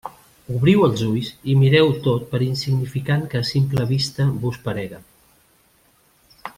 Obriu els ulls i mireu-ho tot per insignificant que a simple vista vos parega.